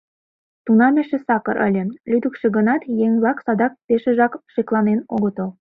Тунам эше сакыр ыле, лӱдыкшӧ гынат, еҥ-влак садак пешыжак шекланен огытыл.